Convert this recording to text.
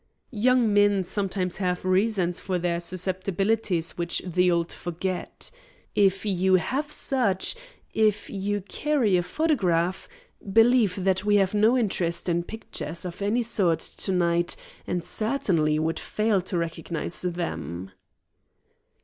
"Young men sometimes have reasons for their susceptibilities which the old forget. If you have such if you carry a photograph, believe that we have no interest in pictures of any sort to night and certainly would fail to recognise them."